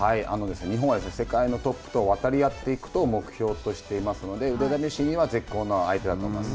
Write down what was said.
日本は世界のトップと渡り合っていくことを目標としていますので、腕試しには、絶好の相手だと思います。